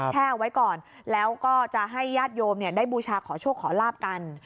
แช่เอาไว้ก่อนแล้วก็จะให้ญาติโยมได้บูชาขอโชคขอลาบกัน